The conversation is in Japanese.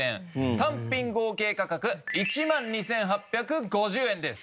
単品合計価格１万２８５０円です。